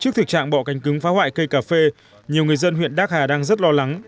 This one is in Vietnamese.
trước thực trạng bọ cánh cứng phá hoại cây cà phê nhiều người dân huyện đắc hà đang rất lo lắng